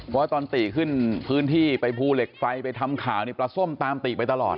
เพราะตอนติขึ้นพื้นที่ไปภูเหล็กไฟไปทำข่าวนี่ปลาส้มตามติไปตลอด